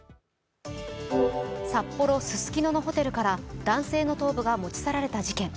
札幌・ススキノのホテルから男性の頭部が持ち去られた事件。